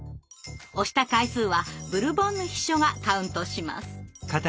押した回数はブルボンヌ秘書がカウントします。